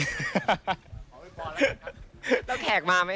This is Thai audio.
แล้วแขกมาไหมครับ